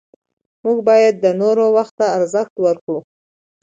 موږ باید د نورو وخت ته ارزښت ورکړو